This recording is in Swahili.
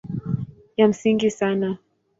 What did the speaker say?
Ya msingi sana